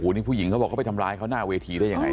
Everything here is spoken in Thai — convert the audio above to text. นี่ผู้หญิงเขาบอกเขาไปทำร้ายเขาหน้าเวทีได้ยังไง